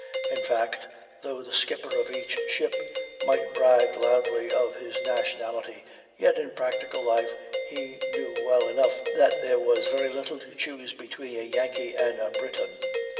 In fact, though the skipper of each ship might brag loudly of his nationality, yet in practical life he knew well enough that there was very little to choose between a Yankee and a Briton.